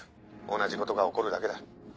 同じことが起こるだけだ。